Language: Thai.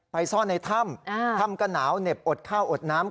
ซ่อนในถ้ำถ้ำก็หนาวเหน็บอดข้าวอดน้ำ